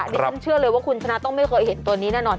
นี่ฉันเชื่อเลยว่าคุณสนะต้องไม่เคยเห็นนี้นั่นหน่วน